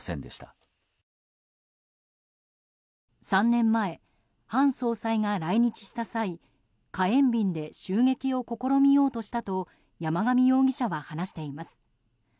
３年前、ハン総裁が来日した際火炎瓶で襲撃を試みようとしたと山上容疑者は話しています。